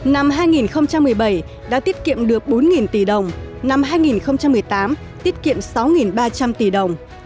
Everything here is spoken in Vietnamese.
năm hai nghìn một mươi bảy đã tiết kiệm được bốn tỷ đồng năm hai nghìn một mươi tám tiết kiệm sáu ba trăm linh tỷ đồng